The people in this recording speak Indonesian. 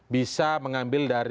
bisa mengambil dari